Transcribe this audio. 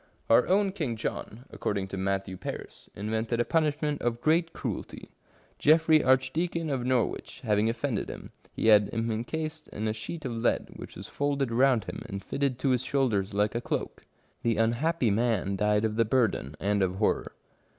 Our own King John, according to Matthew Paris, invented a punishment of great cruelty. Geoffry, Archdeacon of Norwich, having offended him, he had him encased in a sheet of lead, which was folded round him and fitted to his shoulders like a cloak. The unhappy man died of the burden and of horror.